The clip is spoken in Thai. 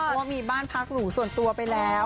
เพราะว่ามีบ้านพักหรูส่วนตัวไปแล้ว